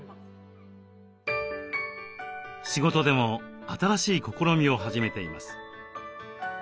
仕事でも新しい試みを始めています。